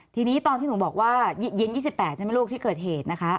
ทีนี้ตอนที่หนูบอกว่าเย็น๒๘ใช่ไหมลูกที่เกิดเหตุนะคะ